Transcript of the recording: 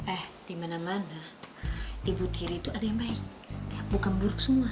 eh di mana mana ibu tiri itu ada yang baik bukan buruk semua